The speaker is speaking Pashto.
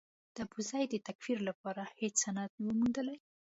د ابوزید د تکفیر لپاره هېڅ سند نه و موندلای.